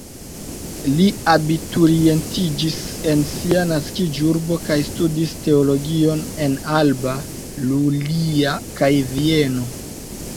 Li abiturientiĝis en sia naskiĝurbo kaj studis teologion en Alba Iulia kaj Vieno.